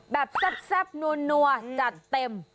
แบบแซ่บนัวจัดเต็ม